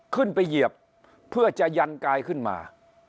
เหยียบเพื่อจะยันกายขึ้นมา